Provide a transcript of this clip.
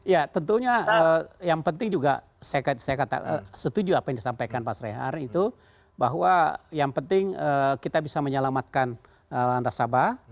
ya tentunya yang penting juga saya setuju apa yang disampaikan pak srehar itu bahwa yang penting kita bisa menyelamatkan nasabah